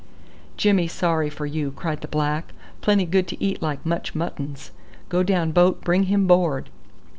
"Jimmy sorry for you," cried the black. "Plenty good to eat like much muttons. Go down boat bring him board."